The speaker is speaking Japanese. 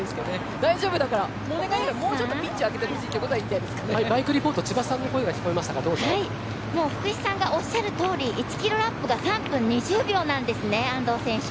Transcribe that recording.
大丈夫だからもうお願いだからもうちょっとピッチを上げてほしいってことはバイクリポート福士さんがおっしゃる通り、１キロラップが３分２０秒なんですね安藤選手。